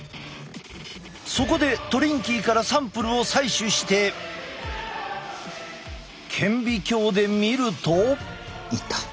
そこでトリンキーからサンプルを採取して顕微鏡で見ると。